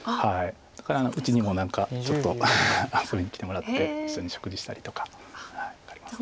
だからうちにも何かちょっと遊びに来てもらって一緒に食事したりとかあります。